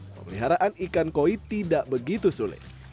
pemeliharaan ikan koi tidak begitu sulit